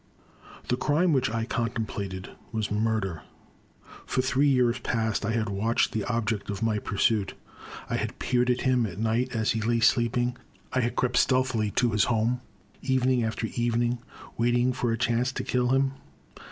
The crime which I contemplated was murder. For three years past I had watched the object of my pursuit; I had peered at him at night as he lay sleeping, I had crept stealthily to his home, evening after evening, waiting for a chance to kill him.